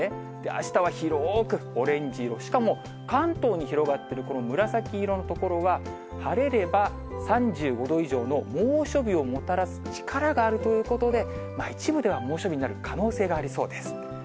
あしたは広くオレンジ色、しかも関東に広がっているこの紫色の所は、晴れれば３５度以上の猛暑日をもたらす力があるということで、一部では猛暑日になる可能性がありそうです。